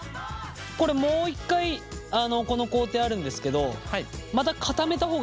これもう一回この工程あるんですけどまた固めた方がいいですか？